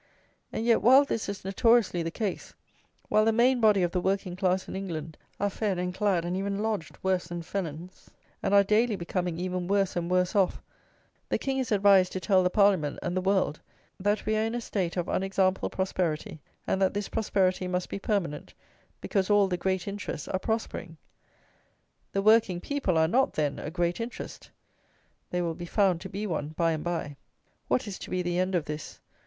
And yet, while this is notoriously the case, while the main body of the working class in England are fed and clad and even lodged worse than felons, and are daily becoming even worse and worse off, the King is advised to tell the Parliament, and the world, that we are in a state of unexampled prosperity, and that this prosperity must be permanent, because all the GREAT interests are prospering! THE WORKING PEOPLE ARE NOT, THEN, "A GREAT INTEREST"! THEY WILL BE FOUND TO BE ONE, BY AND BY. What is to be the end of this?